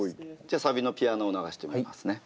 じゃあサビのピアノを流してみますね。